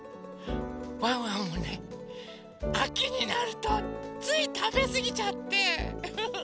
ワンワンもねあきになるとついたべすぎちゃってウフフ。